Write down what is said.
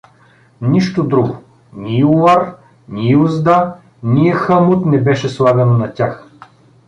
Нищо друго — ни юлар, ни юзда, ни хамут не беше слагано на тях.